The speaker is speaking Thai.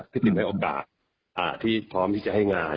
พี่ติมให้โอกาสเตรียมพร้อมที่จะให้งาน